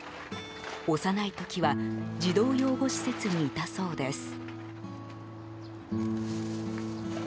幼い時は児童養護施設にいたそうです。